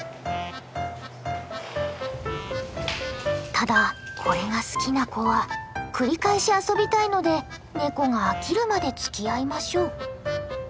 ただこれが好きな子は繰り返し遊びたいのでネコが飽きるまでつきあいましょう。